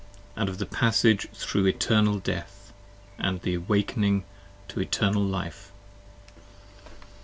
AND OF THE PASSAGE THROUGH ETERNAL DEATH! AND OF THE AWAKING TO ETERNAL LIFE.